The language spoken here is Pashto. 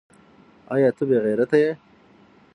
ایا ته بې غیرته یې ؟